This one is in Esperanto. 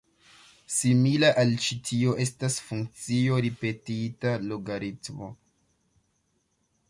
Simila al ĉi tio estas funkcio ripetita logaritmo.